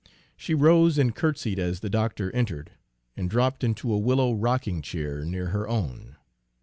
She rose and curtsied as the doctor entered and dropped into a willow rocking chair near her own.